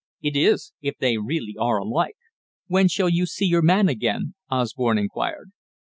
"It is if they really are alike. When shall you see your man again?" Osborne inquired.